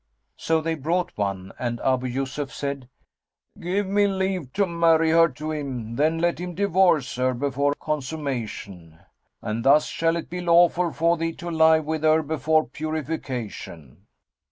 So they brought one and Abu Yusuf said, "Give me leave to marry her to him; then let him divorce her before consummation; and thus shall it be lawful for thee to lie with her before purification."